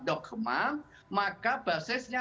dogma maka basisnya